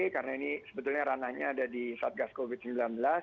karena ini sebetulnya ranahnya ada di saat gas covid sembilan belas